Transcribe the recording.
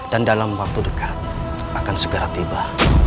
dan dalam waktu dekat akan segera tiba